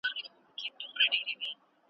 بله چي وي راز د زندګۍ لري .